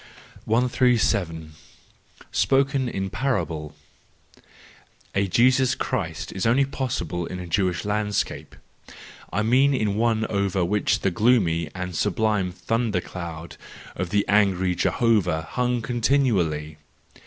137 . Spoken in Parable .—A Jesus Christ was only possible in a Jewish landscape—I mean in one over which the gloomy and sublime thunder cloud of the angry Jehovah hung continually.